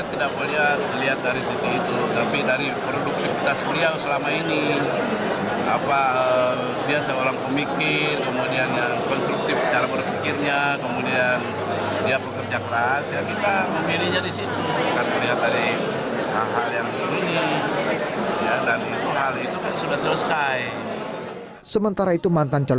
ketemu konstituen artinya